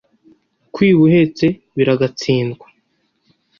Kwiba uhetse biragatsindwa